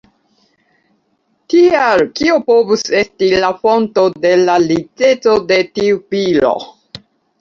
Tial, kio povus esti la fonto de la riĉeco de tiu viro?